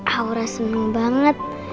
aura seneng banget